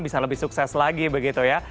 bisa lebih sukses lagi begitu ya